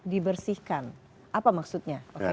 dibersihkan apa maksudnya